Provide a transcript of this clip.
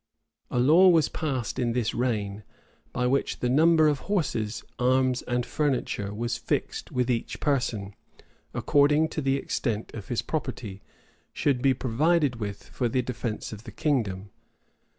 A law was passed in this reign,[] by which the number of horses, arms and furniture, was fixed which each person, according to the extent of his property, should be provided with for the defence of the kingdom.